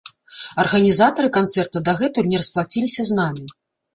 Арганізатары канцэрта дагэтуль не расплаціліся з намі.